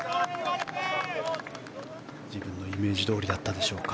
自分のイメージどおりだったでしょうか。